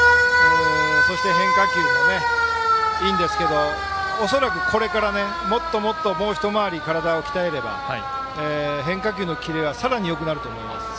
そして、変化球もいいんですけど恐らくこれからもっともっともうひとまわり体を鍛えれば変化球のキレがさらによくなると思います。